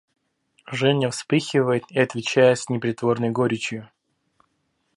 Женя вспыхивает и отвечает с непритворной горечью